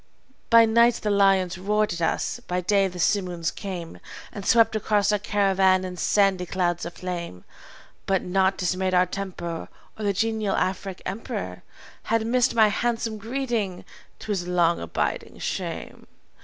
"By night the lions roared at us. By day the simoons came And swept across our caravan in sandy clouds of flame; But naught dismayed our temper, or The genial Afric emperor Had missed my handsome greeting, to his long abiding shame.